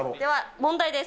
問題です。